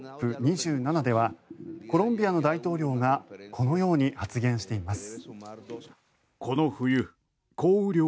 ２７ではコロンビアの大統領がこのように発言しています。